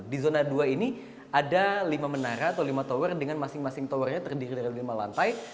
di zona dua ini ada lima menara atau lima tower dengan masing masing towernya terdiri dari lima lantai